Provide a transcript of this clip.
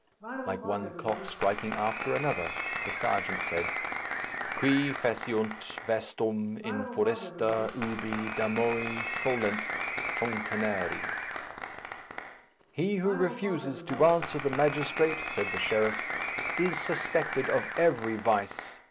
Like one clock striking after another, the serjeant said, "Qui faciunt vastum in foresta ubi damoe solent founinare." "He who refuses to answer the magistrate," said the sheriff, "is suspected of every vice.